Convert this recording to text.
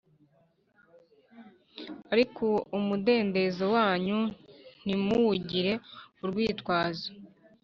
ariko uwo mudendezo wanyu ntimuwugire urwitwazo.